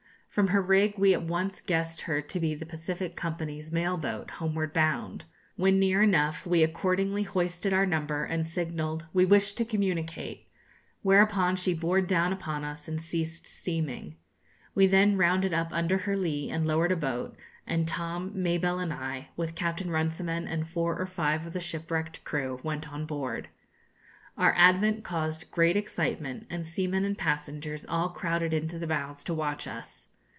From her rig we at once guessed her to be the Pacific Company's mail boat, homeward bound. When near enough, we accordingly hoisted our number, and signalled 'We wish to communicate,' whereupon she bore down upon us and ceased steaming. We then rounded up under her lee and lowered a boat, and Tom, Mabelle, and I, with Captain Runciman and four or five of the shipwrecked crew, went on board. Our advent caused great excitement, and seamen and passengers all crowded into the bows to watch us.